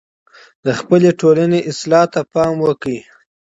د خپلې ټولني اصلاح ته پام وکړئ.